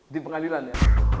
di pengadilan ya